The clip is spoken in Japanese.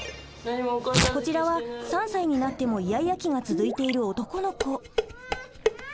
こちらは３歳になってもイヤイヤ期が続いている男の子。